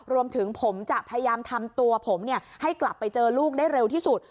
รวมถึงผมจะพยายามทำตัวผมให้กลับไปเจอลูกได้เร็วที่สุด